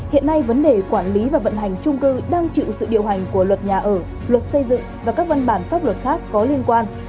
hiện nay vấn đề quản lý và vận hành trung cư đang chịu sự điều hành của luật nhà ở luật xây dựng và các văn bản pháp luật khác có liên quan